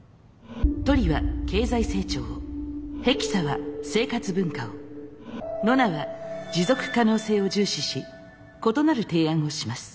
トリは経済成長をヘキサは生活文化をノナは持続可能性を重視し異なる提案をします。